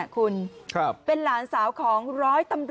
ค้าะ